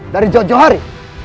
dari jodh johari